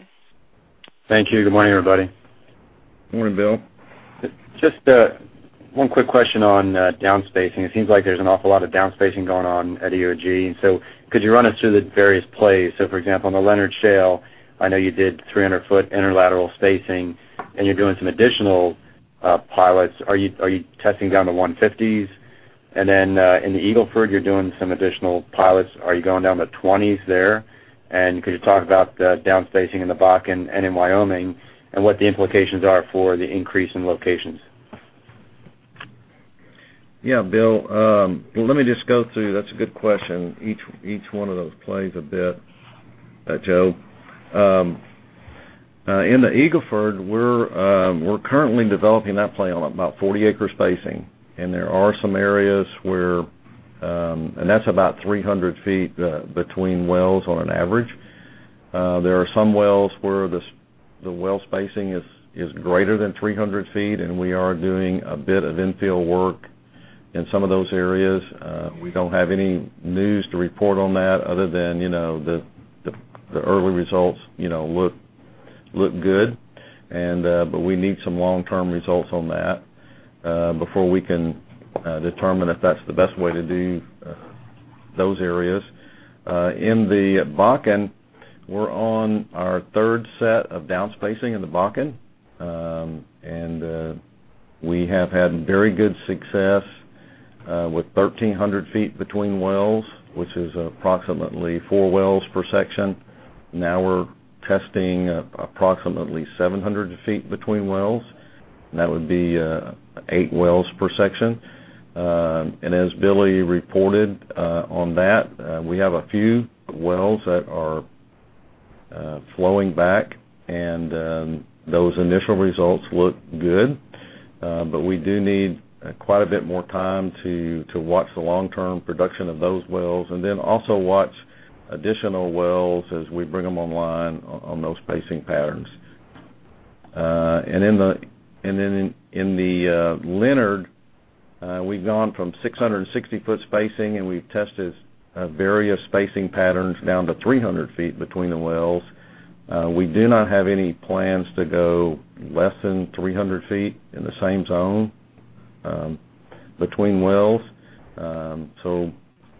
Thank you. Good morning, everybody. Morning, Bill. Just one quick question on down-spacing. It seems like there's an awful lot of down-spacing going on at EOG. Could you run us through the various plays? For example, on the Leonard Shale, I know you did 300-foot inner lateral spacing and you're doing some additional pilots. Are you testing down to 150s? Then, in the Eagle Ford, you're doing some additional pilots. Are you going down to 20s there? Could you talk about the down-spacing in the Bakken and in Wyoming, and what the implications are for the increase in locations? Yeah, Bill. Well, let me just go through, that's a good question, each one of those plays a bit, Joe. In the Eagle Ford, we're currently developing that play on about 40-acre spacing, and that's about 300 feet between wells on an average. There are some wells where the well spacing is greater than 300 feet, and we are doing a bit of infill work in some of those areas. We don't have any news to report on that other than the early results look good. We need some long-term results on that, before we can determine if that's the best way to do those areas. In the Bakken, we're on our third set of down-spacing in the Bakken. We have had very good success with 1,300 feet between wells, which is approximately four wells per section. Now we're testing approximately 700 feet between wells, and that would be eight wells per section. As Billy reported on that, we have a few wells that are flowing back and those initial results look good. We do need quite a bit more time to watch the long-term production of those wells, then also watch additional wells as we bring them online on those spacing patterns. Then in the Leonard, we've gone from 660-foot spacing, and we've tested various spacing patterns down to 300 feet between the wells. We do not have any plans to go less than 300 feet in the same zone between wells.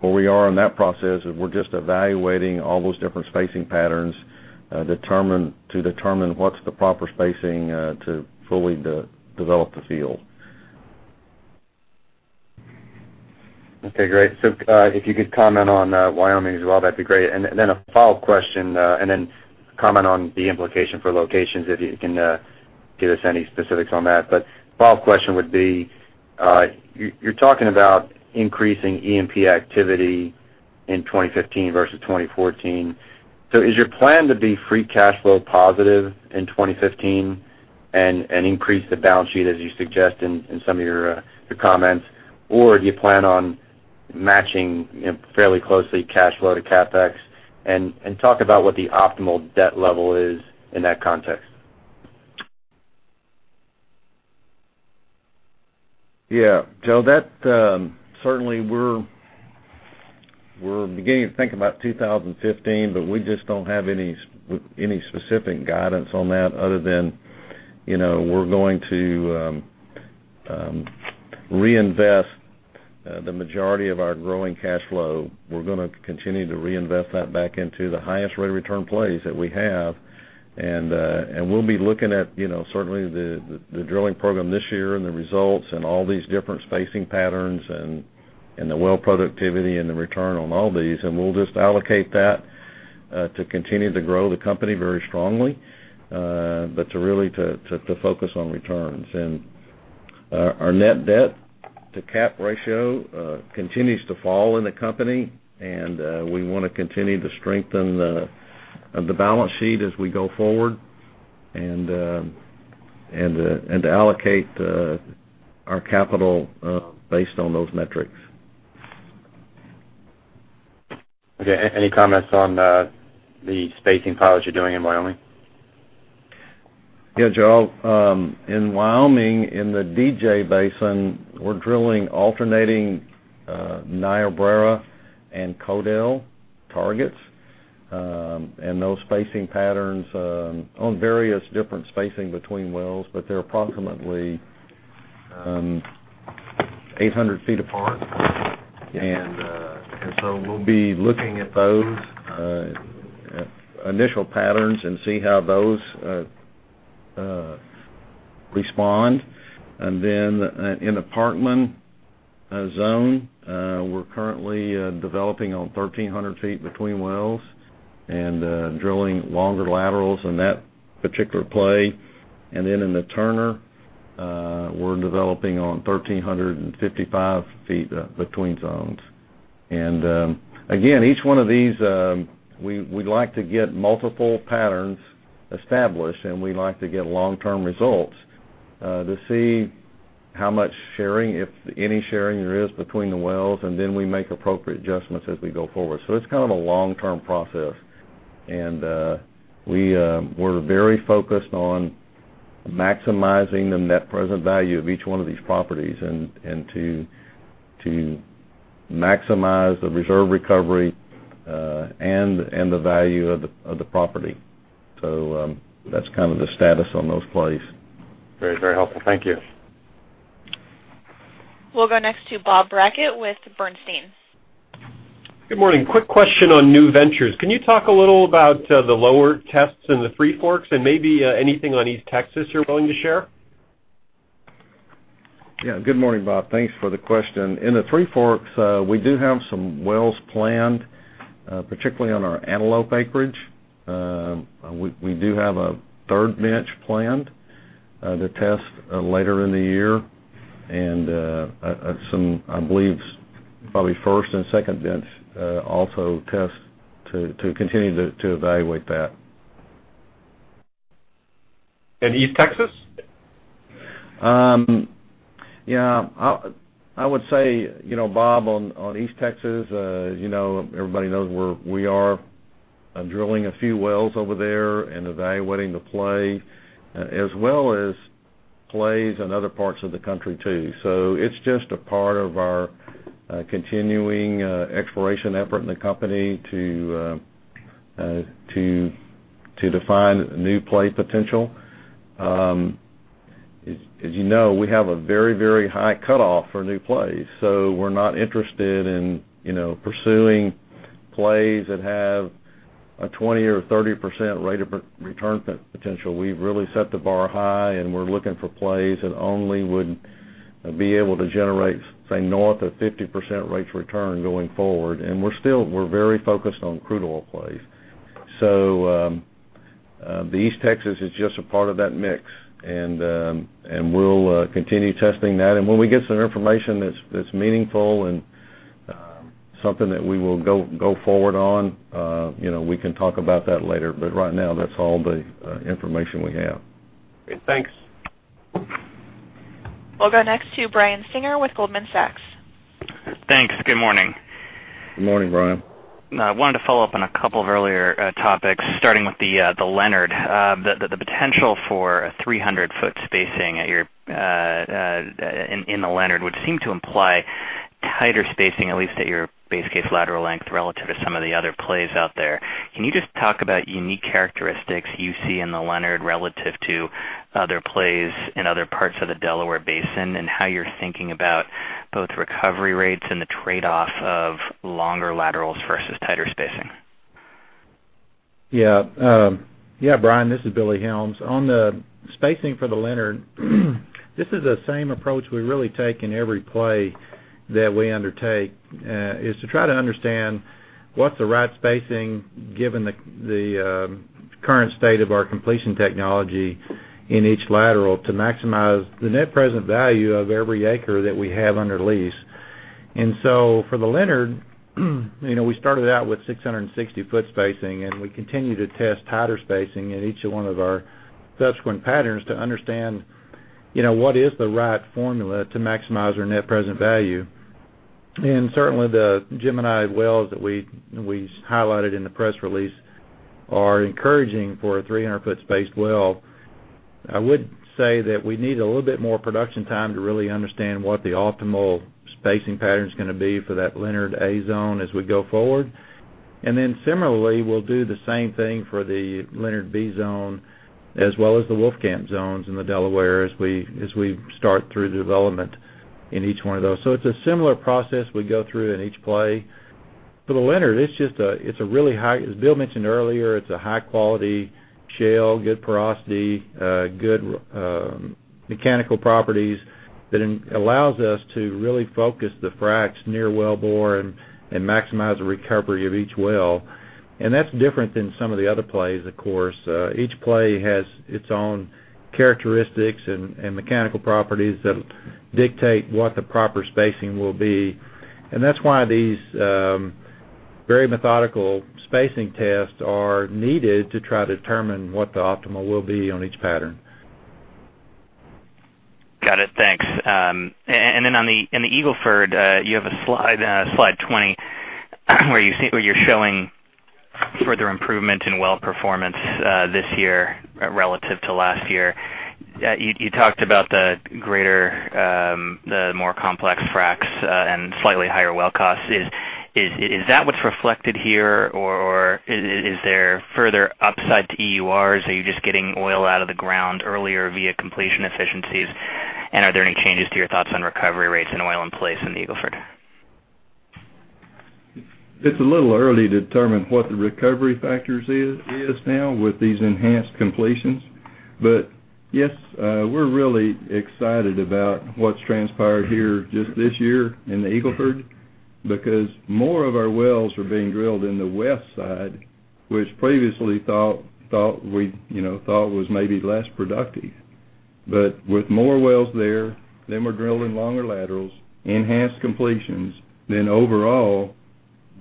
Where we are in that process is we're just evaluating all those different spacing patterns to determine what's the proper spacing to fully develop the field. Okay, great. If you could comment on Wyoming as well, that'd be great. Then a follow-up question, then comment on the implication for locations, if you can give us any specifics on that. Follow-up question would be, you're talking about increasing E&P activity in 2015 versus 2014. Is your plan to be free cash flow positive in 2015 and increase the balance sheet as you suggest in some of your comments? Or do you plan on matching fairly closely cash flow to CapEx? Talk about what the optimal debt level is in that context. Joe, certainly we're beginning to think about 2015, but we just don't have any specific guidance on that other than we're going to reinvest the majority of our growing cash flow. We're going to continue to reinvest that back into the highest rate of return plays that we have. We'll be looking at certainly the drilling program this year and the results and all these different spacing patterns and the well productivity and the return on all these. We'll just allocate that to continue to grow the company very strongly, but to really to focus on returns. Our net debt to cap ratio continues to fall in the company, and we want to continue to strengthen the balance sheet as we go forward and to allocate our capital, based on those metrics. Okay. Any comments on the spacing pilots you're doing in Wyoming? Joe. In Wyoming, in the DJ Basin, we're drilling alternating Niobrara and Codell targets. Those spacing patterns own various different spacing between wells, but they're approximately 800 feet apart. We'll be looking at those initial patterns and see how those respond. Then in the Parkman zone, we're currently developing on 1,300 feet between wells and drilling longer laterals in that particular play. Then in the Turner, we're developing on 1,355 feet between zones. Again, each one of these, we'd like to get multiple patterns established, and we like to get long-term results to see how much sharing, if any sharing there is between the wells, and then we make appropriate adjustments as we go forward. It's kind of a long-term process, and we're very focused on maximizing the net present value of each one of these properties and to maximize the reserve recovery and the value of the property. That's kind of the status on those plays. Very helpful. Thank you. We'll go next to Bob Brackett with Bernstein. Good morning. Quick question on new ventures. Can you talk a little about the lower tests in the Three Forks and maybe anything on East Texas you're willing to share? Yeah. Good morning, Bob. Thanks for the question. In the Three Forks, we do have some wells planned, particularly on our Antelope acreage. We do have a third bench planned to test later in the year, and some, I believe, probably first and second bench also tests to continue to evaluate that. East Texas? Yeah. I would say, Bob, on East Texas, everybody knows we are drilling a few wells over there and evaluating the play as well as plays in other parts of the country too. It's just a part of our continuing exploration effort in the company to define new play potential. As you know, we have a very high cutoff for new plays, we're not interested in pursuing plays that have a 20% or 30% rate of return potential. We've really set the bar high, we're looking for plays that only would be able to generate, say, north of 50% rates of return going forward, we're very focused on crude oil plays. The East Texas is just a part of that mix, we'll continue testing that, when we get some information that's meaningful and something that we will go forward on, we can talk about that later, right now, that's all the information we have. Great. Thanks. We'll go next to Brian Singer with Goldman Sachs. Thanks. Good morning. Good morning, Brian. I wanted to follow up on a couple of earlier topics, starting with the Leonard. The potential for a 300-foot spacing in the Leonard would seem to imply tighter spacing, at least at your base case lateral length relative to some of the other plays out there. Can you just talk about unique characteristics you see in the Leonard relative to other plays in other parts of the Delaware Basin, and how you're thinking about both recovery rates and the trade-off of longer laterals versus tighter spacing? Brian. This is Billy Helms. On the spacing for the Leonard, this is the same approach we really take in every play that we undertake, is to try to understand what's the right spacing given the current state of our completion technology in each lateral to maximize the net present value of every acre that we have under lease. For the Leonard, we started out with 660-foot spacing, and we continue to test tighter spacing in each one of our subsequent patterns to understand what is the right formula to maximize our net present value. Certainly, the Gemini wells that we highlighted in the press release are encouraging for a 300-foot spaced well. I would say that we need a little bit more production time to really understand what the optimal spacing pattern is going to be for that Leonard A zone as we go forward. Similarly, we'll do the same thing for the Leonard B zone, as well as the Wolfcamp zones in the Delaware as we start through development in each one of those. It's a similar process we go through in each play. For the Leonard, as Bill mentioned earlier, it's a high-quality shale, good porosity, good mechanical properties that allows us to really focus the fracs near wellbore and maximize the recovery of each well. That's different than some of the other plays, of course. Each play has its own characteristics and mechanical properties that dictate what the proper spacing will be, and that's why these very methodical spacing tests are needed to try to determine what the optimal will be on each pattern. Got it. Thanks. In the Eagle Ford, you have slide 20, where you're showing further improvement in well performance this year relative to last year. You talked about the more complex fracs and slightly higher well costs. Is that what's reflected here, or is there further upside to EUR? You're just getting oil out of the ground earlier via completion efficiencies. Are there any changes to your thoughts on recovery rates and oil in place in the Eagle Ford? It's a little early to determine what the recovery factors is now with these enhanced completions. Yes, we're really excited about what's transpired here just this year in the Eagle Ford, because more of our wells are being drilled in the west side, which previously thought was maybe less productive. With more wells there, we're drilling longer laterals, enhanced completions. Overall.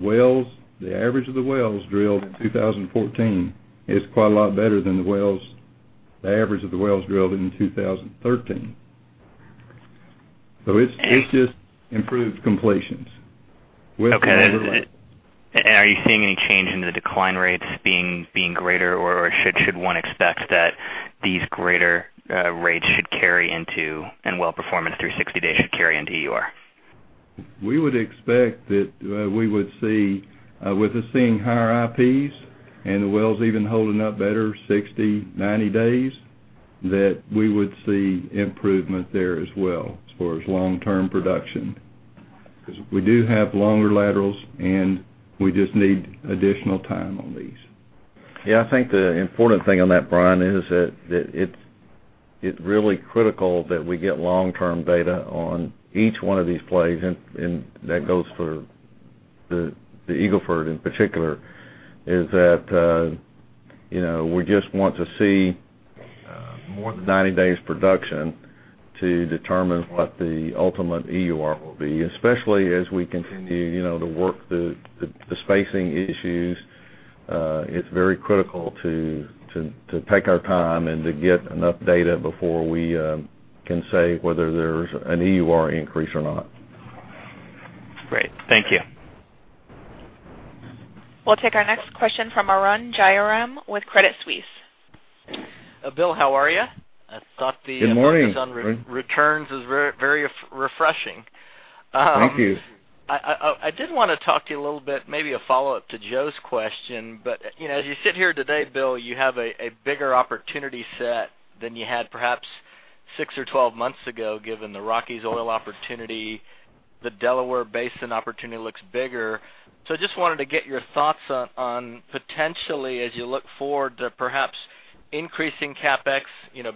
Wells, the average of the wells drilled in 2014 is quite a lot better than the average of the wells drilled in 2013. It's just improved completions. Okay. Are you seeing any change in the decline rates being greater, or should one expect that these greater rates should carry into, and well performance through 60 days should carry into EUR? We would expect that we would see, with us seeing higher IPs and the wells even holding up better 60, 90 days, that we would see improvement there as well as far as long-term production. We do have longer laterals, and we just need additional time on these. Yeah. I think the important thing on that, Brian, is that it's really critical that we get long-term data on each one of these plays, and that goes for the Eagle Ford in particular, is that we just want to see more than 90 days production to determine what the ultimate EUR will be, especially as we continue to work the spacing issues. It's very critical to take our time and to get enough data before we can say whether there's an EUR increase or not. Great. Thank you. We'll take our next question from Arun Jayaram with Credit Suisse. Bill, how are you? I thought the- Good morning, Arun. focus on returns is very refreshing. Thank you. I did want to talk to you a little bit, maybe a follow-up to Joe's question. As you sit here today, Bill, you have a bigger opportunity set than you had perhaps six or 12 months ago, given the Rockies oil opportunity. The Delaware Basin opportunity looks bigger. Just wanted to get your thoughts on potentially, as you look forward to perhaps increasing CapEx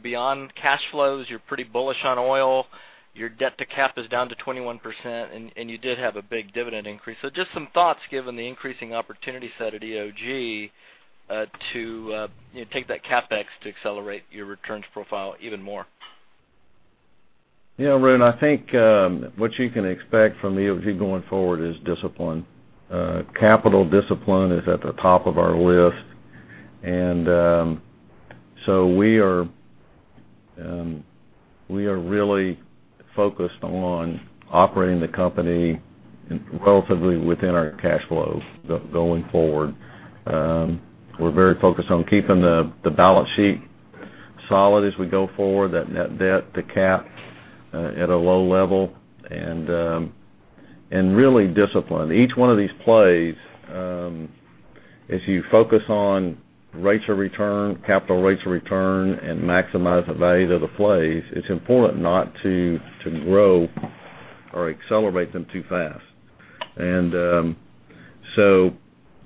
beyond cash flows. You're pretty bullish on oil. Your debt-to-cap is down to 21%, and you did have a big dividend increase. Just some thoughts given the increasing opportunity set at EOG, to take that CapEx to accelerate your returns profile even more. Arun, I think what you can expect from EOG going forward is discipline. Capital discipline is at the top of our list. We are really focused on operating the company relatively within our cash flow going forward. We're very focused on keeping the balance sheet solid as we go forward, that net debt to cap at a low level, and really disciplined. Each one of these plays, as you focus on rates of return, capital rates of return, and maximize the value of the plays, it's important not to grow or accelerate them too fast.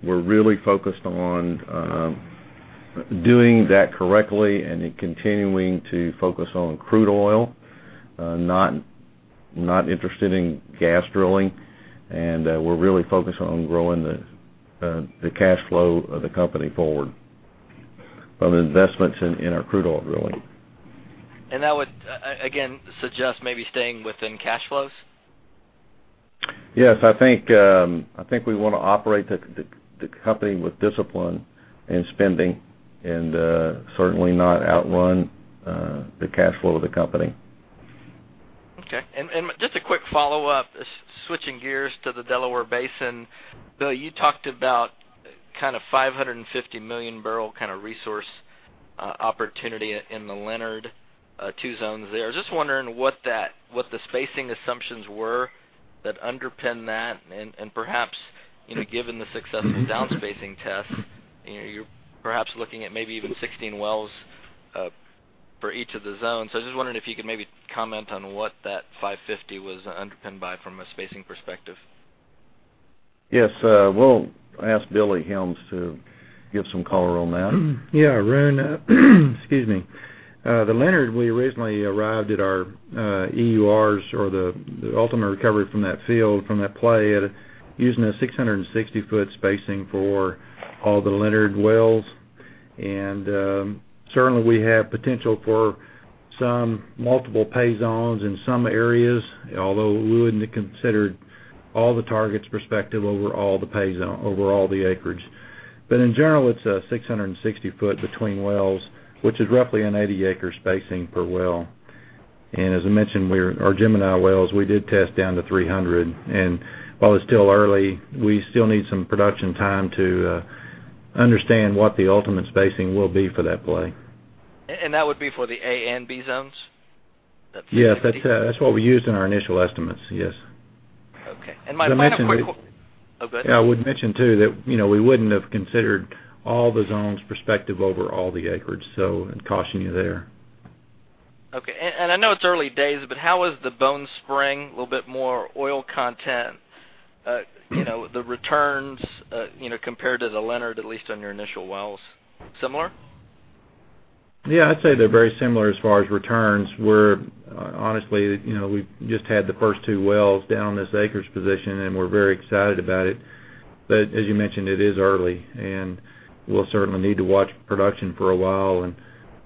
We're really focused on doing that correctly and then continuing to focus on crude oil. Not interested in gas drilling, and we're really focused on growing the cash flow of the company forward from investments in our crude oil drilling. That would, again, suggest maybe staying within cash flows? Yes. I think we want to operate the company with discipline in spending and certainly not outrun the cash flow of the company. Okay. Just a quick follow-up, switching gears to the Delaware Basin. Bill, you talked about 550 million barrel resource opportunity in the Leonard two zones there. Just wondering what the spacing assumptions were that underpin that, and perhaps, given the success of the down-spacing test, you're perhaps looking at maybe even 16 wells for each of the zones. I was just wondering if you could maybe comment on what that 550 was underpinned by from a spacing perspective. Yes. We'll ask Billy Helms to give some color on that. Yeah, Arun, excuse me. The Leonard, we originally arrived at our EURs, or the ultimate recovery from that field, from that play, using a 660-foot spacing for all the Leonard wells. Certainly, we have potential for some multiple pay zones in some areas, although we wouldn't have considered all the targets prospective over all the pay zone, over all the acreage. In general, it's 660 foot between wells, which is roughly an 80-acre spacing per well. As I mentioned, our Gemini wells, we did test down to 300, while it's still early, we still need some production time to understand what the ultimate spacing will be for that play. That would be for the A and B zones? The 550. Yes, that's what we used in our initial estimates. Yes. Okay. My final quick- As I mentioned. Oh, go ahead. Yeah, I would mention too that we wouldn't have considered all the zones prospective over all the acreage. I'd caution you there. Okay. I know it's early days, but how was the Bone Spring, a little bit more oil content? The returns compared to the Leonard, at least on your initial wells, similar? Yeah, I'd say they're very similar as far as returns. We're honestly, we've just had the first two wells down this acreage position, and we're very excited about it. As you mentioned, it is early, and we'll certainly need to watch production for a while.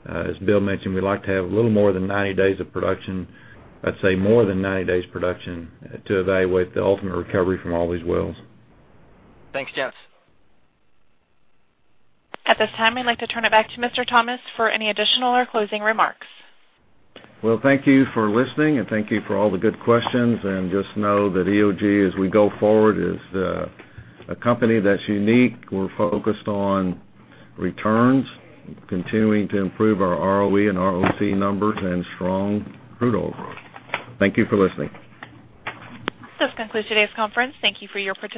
As Bill mentioned, we'd like to have a little more than 90 days of production, I'd say more than 90 days production, to evaluate the ultimate recovery from all these wells. Thanks, gents. At this time, I'd like to turn it back to Mr. Thomas for any additional or closing remarks. Well, thank you for listening, and thank you for all the good questions. Just know that EOG, as we go forward, is a company that's unique. We're focused on returns, continuing to improve our ROE and ROC numbers, and strong crude oil growth. Thank you for listening. This concludes today's conference. Thank you for your participation.